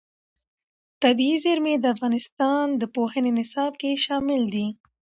طبیعي زیرمې د افغانستان د پوهنې نصاب کې شامل دي.